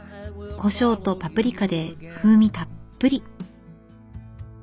コショウとパプリカで風味たっぷり。